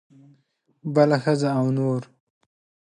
بله ښځه او نور.